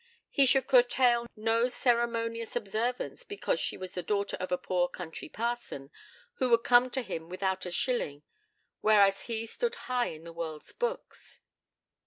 He should curtail no ceremonious observance because she was the daughter of a poor country parson who would come to him without a shilling, whereas he stood high in the world's books.